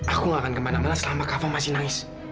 aku gak akan kemana mana selama kava masih nangis